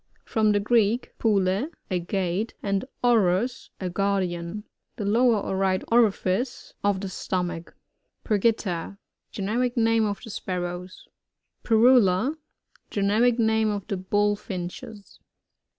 — From the Greek, pule, a gate, and ouros, a guardian. The lower, or right orifice of the stomach. Ptrgita. — Generic name of the Spar rows. Pyrrhula. — Greneric name of the Bullfinches.